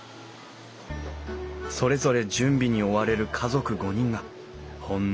それぞれ準備に追われる家族５人がほんの